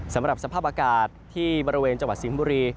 สำหรับสภาพอากาศที่บริเวณจังหวัดสิงห์บุรี